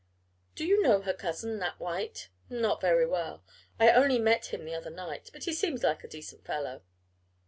"Do you know her cousin, Nat White?" "Not very well, I only met him the other night. But he seems like a decent fellow."